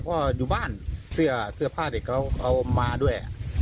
ก็อยู่บ้านเสื้อผ้าเด็กเขาเอามาด้วย